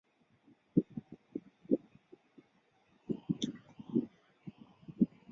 它是继德国革命后迫使瓦尔德克的弗里德里希王子连同其他德意志邦国君主退位。